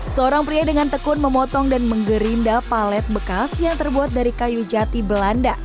seorang pria dengan tekun memotong dan menggerinda palet bekas yang terbuat dari kayu jati belanda